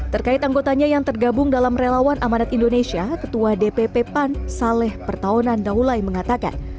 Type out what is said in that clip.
terkait anggotanya yang tergabung dalam relawan amanat indonesia ketua dpp pan saleh pertahunan daulai mengatakan